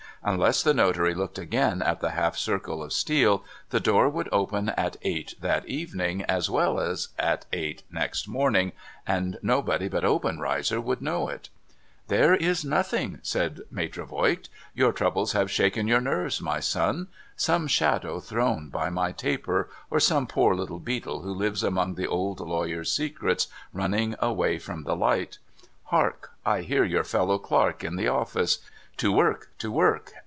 Unless the notary looked again at the half circle of steel, the door would open at eight that evening, as well as at eight next morning, and nobody but Obenreizer would know it.) ' There is nothing 1 ' said Maitre Voigt. ' Your troubles have shaken your nerves, my son. Some shadow thrown by my taper ; or some poor little beetle, who lives among the old lawyer's secrets, running away from the light. Hark ! I hear your fellow clerk in the office. To work ! to work